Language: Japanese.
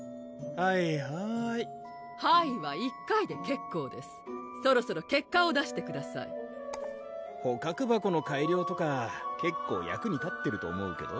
はいはい「はい」は１回で結構ですそろそろ結果を出してください捕獲箱の改良とか結構役に立ってると思うけど？